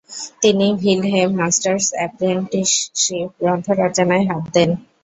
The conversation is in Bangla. তিনি ‘ভিলহেম মাস্টার্স অ্যাপ্রেন্টিসশিপ’ গ্রন্থ রচনায় হাত দেন।